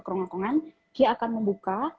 kerongkongan dia akan membuka